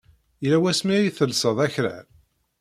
Yella wasmi ay tellseḍ akrar?